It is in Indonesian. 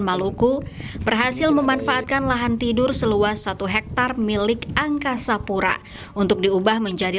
maluku berhasil memanfaatkan lahan tidur seluas satu hektare milik angkasa pura untuk diubah menjadi